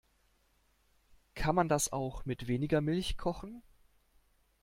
Kann man das auch mit weniger Milch kochen?